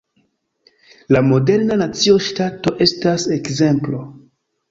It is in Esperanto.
La moderna Nacio-ŝtato estas ekzemplo.